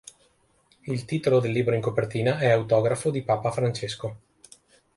Il titolo del libro in copertina è autografo di papa Francesco.